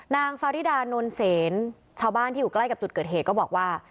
นางฟาริดานนเซนชาวบ้านที่อยู่ใกล้กับจุดเกิดเหตุก็บอกว่า